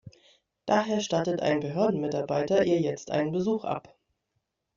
Daher stattet ein Behördenmitarbeiter ihr jetzt einen Besuch ab.